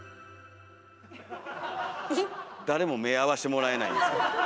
誰も目合わしてもらえないんですけど。